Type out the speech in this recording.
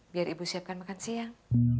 biar ibu siapkan makan siang